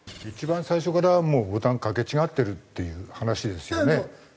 一番最初からもうボタンかけ違ってるっていう話ですよね。